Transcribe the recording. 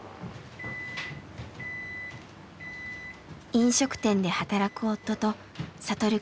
飲食店で働く夫と聖くん。